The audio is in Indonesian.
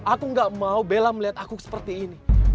aku gak mau bella melihat aku seperti ini